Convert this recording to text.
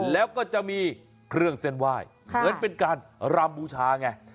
แล้วก็จะมีเครื่องเส้นไหว้เหมือนเป็นการรำบูชาไง